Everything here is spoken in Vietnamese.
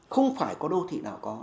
không phải có đô thị nào có